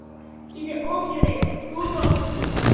Тиде ок йӧрӧ, тудо...